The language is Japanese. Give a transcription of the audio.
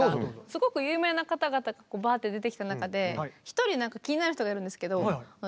すごく有名な方々がバーッて出てきた中で１人気になる人がいるんですけどあ